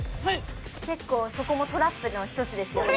結構そこもトラップの１つですよね。